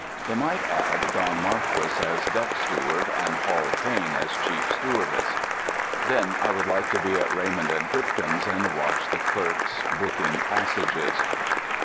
They might add Don Marquis as deck steward and Hall Caine as chief stewardess. Then I would like to be at Raymond and Whitcomb's and watch the clerks booking passages!